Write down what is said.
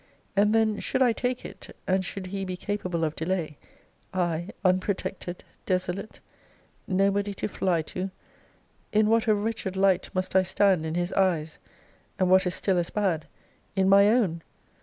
And then should I take it, and should he be capable of delay, I unprotected, desolate, nobody to fly to, in what a wretched light must I stand in his eyes; and, what is still as bad, in my own!